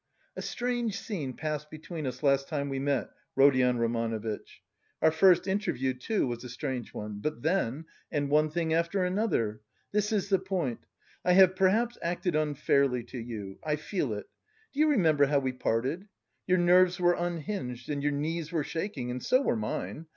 "A strange scene passed between us last time we met, Rodion Romanovitch. Our first interview, too, was a strange one; but then... and one thing after another! This is the point: I have perhaps acted unfairly to you; I feel it. Do you remember how we parted? Your nerves were unhinged and your knees were shaking and so were mine.